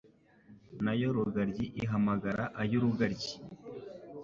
Na yo Rugaryi ihamagara iy'urugaryi,